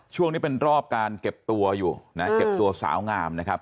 ช่วงนี้เป็นรอบการเก็บตัวอยู่นะเก็บตัวสาวงามนะครับ